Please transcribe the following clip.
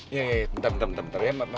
iya iya bentar bentar bentar ya